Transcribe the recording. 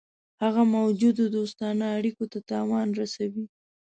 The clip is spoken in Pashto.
هغه موجودو دوستانه اړېکو ته تاوان رسوي.